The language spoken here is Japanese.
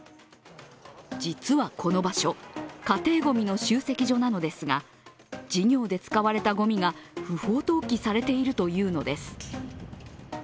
実はこの場所、家庭ごみの集積所なのですが、事業で使われたごみが不法投棄されているというのです。